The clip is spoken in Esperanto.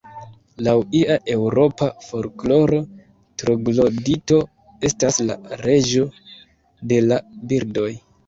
Laŭ ia eŭropa folkloro, troglodito estas la Reĝo de la Birdoj.